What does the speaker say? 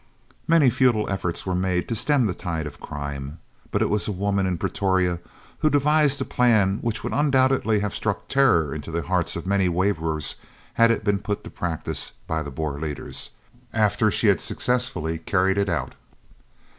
Many futile efforts were made to stem the tide of crime, but it was a woman in Pretoria who devised a plan which would undoubtedly have struck terror to the hearts of many waverers had it been put to practice by the Boer leaders, after she had successfully carried it out.